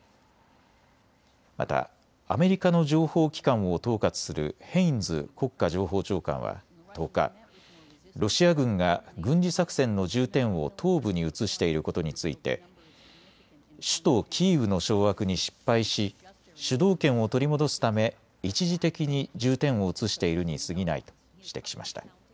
またアメリカの情報機関を統括するヘインズ国家情報長官は１０日、ロシア軍が軍事作戦の重点を東部に移していることについて首都キーウの掌握に失敗し主導権を取り戻すため一時的に重点を移しているにすぎないと指摘しました。